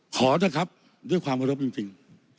ขอนะครับด้วยความขอรบจริง